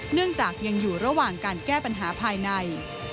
เนื่องจากยังอยู่ระหว่างการแก้ปัญหาภายใน